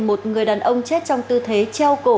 một người đàn ông chết trong tư thế treo cổ